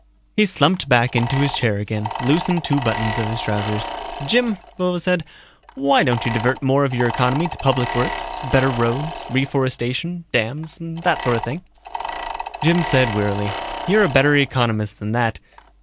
He slumped back into his chair again, loosened two buttons of his trousers. "Jim," Vovo said, "why don't you divert more of your economy to public works, better roads, reforestation, dams that sort of thing." Jim said wearily, "You're a better economist than that.